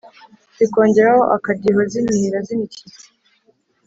zikongeraho akadiho zinihira zinikiza